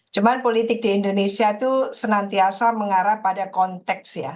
cuma politik di indonesia itu senantiasa mengarah pada konteks ya